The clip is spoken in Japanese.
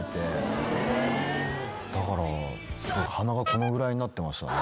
だからすごい鼻がこのぐらいになってましたね。